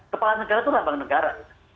kepala negara itu lambang negara